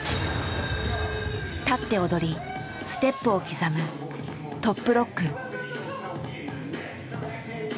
立って踊りステップを刻むトップロック。